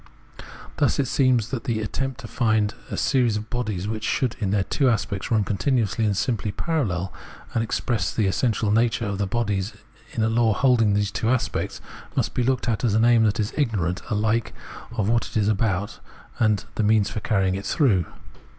Thus it seems that the attempt to find series of bodies which should in their two aspects run continuously and simply parallel, and express the essential nature of the bodies in a law hold ing of these aspects, must be looked at as an aim that is ignorant ahke of what it is about and of the means for carrying it through.